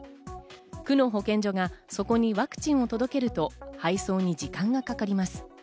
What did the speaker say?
区の保健所がそこにワクチンを届けると配送に時間がかかります。